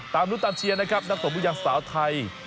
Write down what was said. ตามนู้นตามเชียร์นะครับนักสมมุติยังสาวไทย